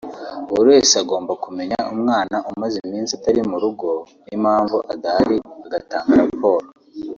buri wese agomba kumenya umwana umaze iminsi atari mu rugo n’impamvu adahari agatanga raporo